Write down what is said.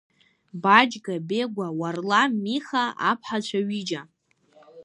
Баџьга, Бегәа, Уарлам, Миха, аԥҳацәа ҩыџьа.